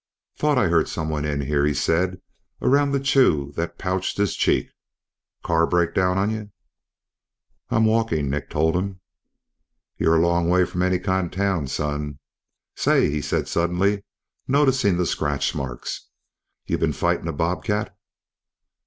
"Thought I heard someone in here," he said around the chew that pouched his cheek. "Car break down on ye?" "I'm walking," Nick told him. "Yer a long way from any kind 'o town, son ... say," he said suddenly noticing the scratch marks. "Y' been fightin' a bobcat?"